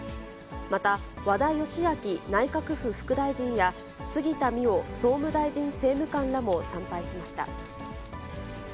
また、和田義明内閣府副大臣や、杉田水脈総務大臣政務官らも参拝しました。